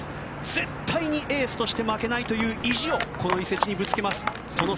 絶対にエースとして負けないという意地をぶつけます。